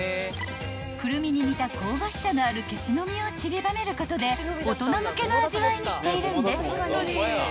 ［クルミに似た香ばしさのあるケシの実をちりばめることで大人向けの味わいにしているんです］